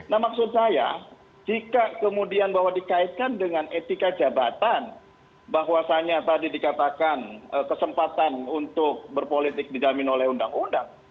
nah maksud saya jika kemudian bahwa dikaitkan dengan etika jabatan bahwasannya tadi dikatakan kesempatan untuk berpolitik dijamin oleh undang undang